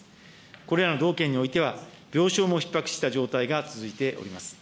これらの道県においては、病床もひっ迫した状態が続いております。